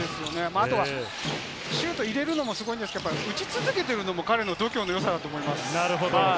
あとはシュートを入れるのもすごいんですけど、打ち続けているのも彼の度胸の良さだと思います。